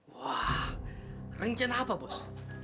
wah rencana apa bos